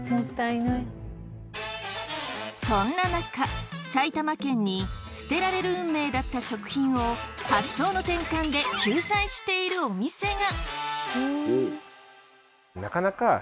そんな中埼玉県に捨てられる運命だった食品を発想の転換で救済しているお店が！